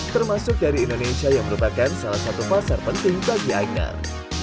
termasuk dari indonesia yang merupakan salah satu pasar penting bagi ignar